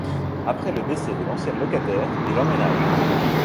Après le décès de l'ancienne locataire, il emménage.